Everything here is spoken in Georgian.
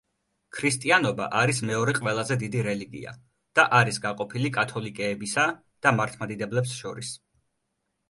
ქრისტიანობა არის მეორე ყველაზე დიდი რელიგია და არის გაყოფილი კათოლიკეებისა და მართლმადიდებლებს შორის.